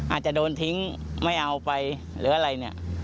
อาจจะโดนทิ้งไม่เอาไปหรืออะไรเนี่ย